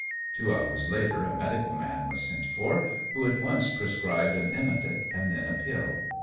Two hours later a medical man was sent for, who at once prescribed an emetic, and then a pill.